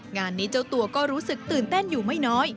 งานนี้เจ้าตัวก็รู้สึกตื่นเต้นอยู่ไม่น้อย